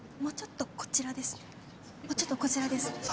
もうちょっとこちらです。